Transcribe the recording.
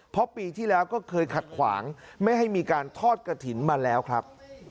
เพราะปีที่แล้วก็เคยขัดขวางไม่ให้มีการทอดกระถิ่นมาแล้วครับ